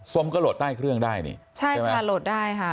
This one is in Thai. ส้มก็โหลดได้เครื่องได้นี่ใช่ไหมใช่ค่ะโหลดได้ค่ะ